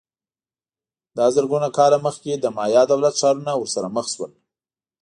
دا زرګونه کاله مخکې د مایا دولت ښارونه ورسره مخ شول